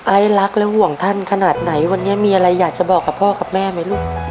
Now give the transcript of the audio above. อายลักและห่วงท่านขนาดไหนวันนี้มีอะไรอยากบอกพ่อแม่มั้ยลูก